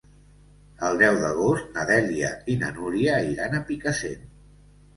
El deu d'agost na Dèlia i na Núria iran a Picassent.